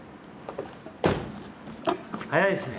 早いですね。